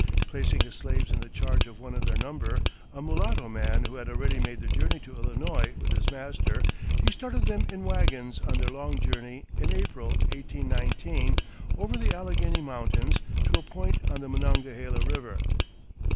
Placing his slaves in the charge of one of their number, a mulatto man who had already made the journey to Illinois with his master, he started them in wagons on their long journey in April, 1819, over the Alleghany Mountains to a point on the Monongahela River.